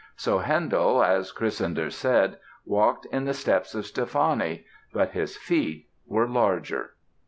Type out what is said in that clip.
So Handel, as Chrysander said, "walked in the steps of Steffani; but his feet were larger."